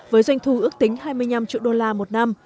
với doanh thu ước tính hai mươi năm triệu đô la một năm